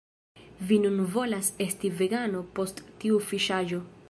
Vi nun volas esti vegano post tiu fiŝaĵo